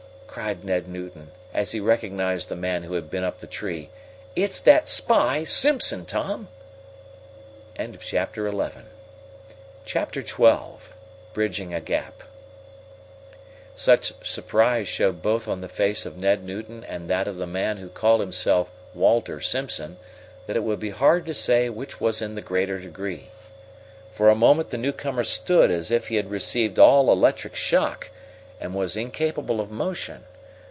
cried Ned Newton, as he recognized the man who had been up the tree. "It's that spy, Simpson, Tom!" Chapter XII Bridging a Gap Such surprise showed both on the face of Ned Newton and that of the man who called himself Walter Simpson that it would be hard to say which was in the greater degree. For a moment the newcomer stood as if he had received all electric shock, and was incapable of motion.